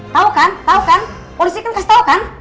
tahu kan tahu kan polisi kan kasih tau kan